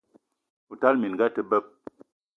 O tala minga a te beb!